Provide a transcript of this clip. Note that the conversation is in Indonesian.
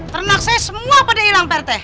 ternak saya semua pada hilang pak rt